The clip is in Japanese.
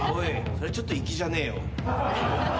それちょっと粋じゃねえよ。